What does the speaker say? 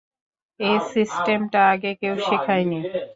এই সিস্টেমটা আগে কেউ শেখায়নি।